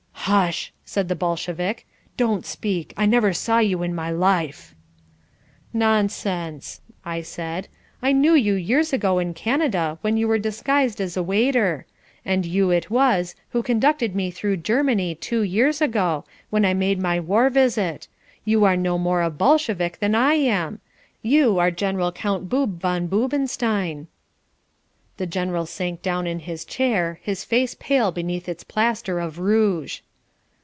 "Hush," said the Bolshevik. "Don't speak! I never saw you in my life." "Nonsense," I said, "I knew you years ago in Canada when you were disguised as a waiter. And you it was who conducted me through Germany two years ago when I made my war visit. You are no more a Bolshevik than I am. You are General Count Boob von Boobenstein." The general sank down in his chair, his face pale beneath its plaster of rouge.